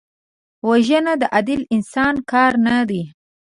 وژنه د عادل انسان کار نه دی